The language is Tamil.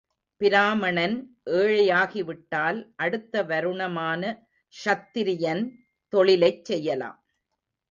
பிராமணன் ஏழையாகிவிட்டால் அடுத்த வருணமான க்ஷத்திரியன் தொழிலைச் செய்யலாம்.